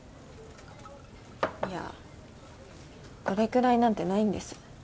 いやどれくらいなんてないんです